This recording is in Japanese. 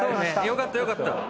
よかったよかった。